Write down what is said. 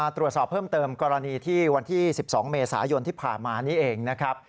ตรวจสอบเพิ่มเติมกรณีที่วันที่๑๒เมษายนที่ผ่านมานี้เองนะครับ